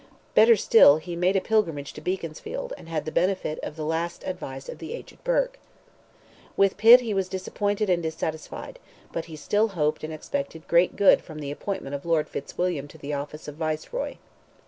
Better still, he made a pilgrimage to Beaconsfield, and had the benefit of the last advice of the aged Burke. With Pitt he was disappointed and dissatisfied, but he still hoped and expected great good from the appointment of Lord Fitzwilliam to the office of Viceroy.